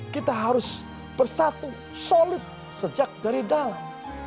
kita harus bersatu solid sejak dari dalam